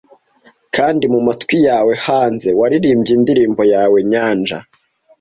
Kandi mu matwi yawe hanze waririmbye indirimbo yawe nyanja;